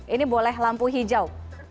ini boleh lampu hijau